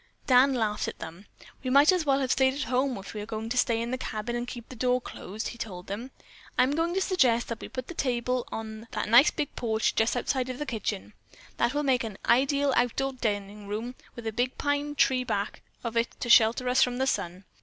Dan laughed at them. "We might as well have stayed at home if we are going to stay in the cabin and keep the door closed," he told them. "I'm going to suggest that we put the table on that nice porch just outside of the kitchen. That will make an ideal outdoor dining room, with a big pine tree back of it to shelter us from the sun.